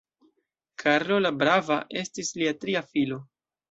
Karlo la Brava estis lia tria filo.